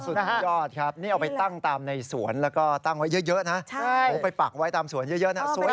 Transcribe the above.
สุดยอดครับนี่เอาไปตั้งตามในสวนแล้วก็ตั้งไว้เยอะนะไปปักไว้ตามสวนเยอะนะสวย